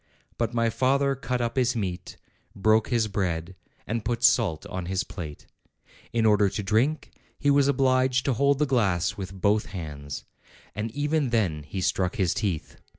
But my father cut up his meat, broke his bread, and put salt on his plate. In order to drink, he was obliged to hold the glass with both hands, and even then he struck his teeth.